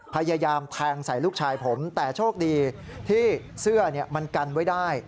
พยายามแทงใส่ลูกชายผมแต่โชคดีที่เสื้อมันกันไว้ได้